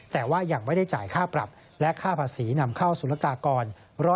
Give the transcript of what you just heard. แต่ว่ายังไม่ได้จ่ายค่าปรับและค่าภาษีนำเข้าสุรกากร